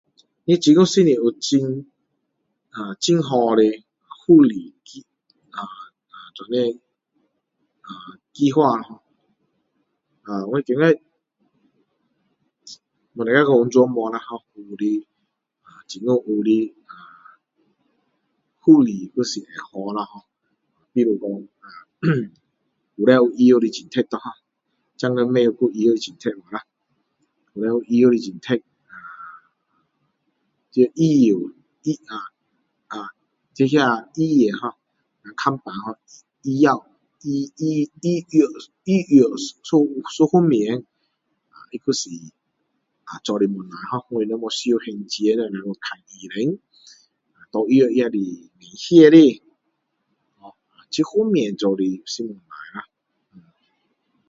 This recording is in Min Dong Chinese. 这政府是有很，啊很好的福利。啊，啊，这样，啊计划啦[har]。啊我觉得，不能够完全没有啦[har]。有的 政府有的啊福利 还是会好啦[har]，比如说旧时啊有医药津贴[har]，现在不懂还有医药津贴吗啦？这医药的津贴，啊医药，医，啊，啊这医药，看病，医药，医，医药，医药，一,一方面，它还是啊做得不错[har] 我们不需要还钱[har]看医生，拿药也是免费的[har]。这方面做得是不错啦。